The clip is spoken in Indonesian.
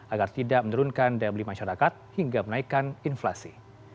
agar tidak menurunkan daya beli masyarakat hingga menaikkan inflasi